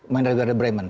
main dari bremen